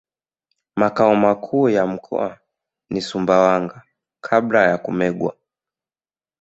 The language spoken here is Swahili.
Makao makuu ya mkoa ni Sumbawanga Kabla ya kumegwa